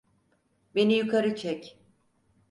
Beni yukarı çek!